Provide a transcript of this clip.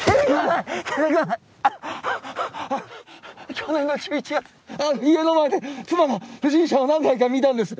去年の１１月家の前で妻が不審者を何回か見たんです。